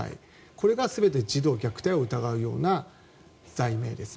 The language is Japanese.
これが全て児童虐待を疑うような罪名ですね。